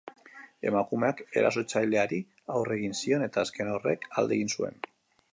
Emakumeak erasotzaileari aurre egin zion, eta azken horrek alde egin zuen.